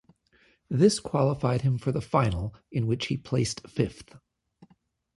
This qualified him for the final, in which he placed fifth.